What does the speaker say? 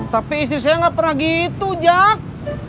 tapi istri saya nggak pernah gitu jak